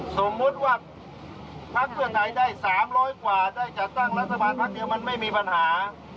สมมุติว่าพักเพื่อไทยได้๓๐๐กว่าได้จัดตั้งรัฐบาลพักเดียวมันไม่มีปัญหา